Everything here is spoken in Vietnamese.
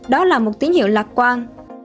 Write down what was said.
đó là một tín hiệu lạc quan